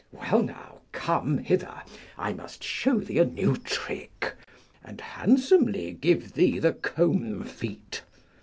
Well now, come hither, I must show thee a new trick, and handsomely give thee the combfeat.